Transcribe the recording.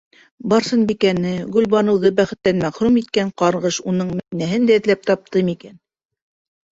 Барсынбикәне, Гөлбаныуҙы бәхеттән мәхрүм иткән ҡарғыш уның Мәҙинәһен дә эҙләп тапты микән?